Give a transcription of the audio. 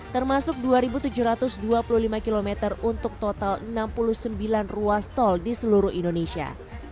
termasuk dua tujuh ratus dua puluh lima km untuk total enam puluh sembilan ruas tol di seluruh indonesia